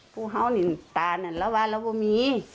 ผู้หาวนี่ต่างนั้นแล้วว่าแล้วไม่มี